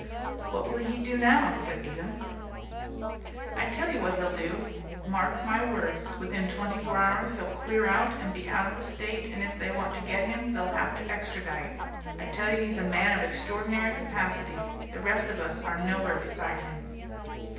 "What will he do now?" said Beatem. "I tell you what he'll do. Mark my words. Within twenty four hours he'll clear out and be out of the state, and if they want to get him they'll have to extradite. I tell you he's a man of extraordinary capacity. The rest of us are nowhere beside him."